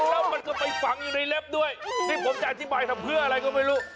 แล้วมันก็ไปฝังอยู่ในเล็บด้วยที่ผมจะอธิบายทำเพื่ออะไรก็ไม่รู้